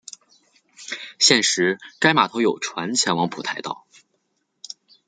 现时该码头有船前往蒲台岛。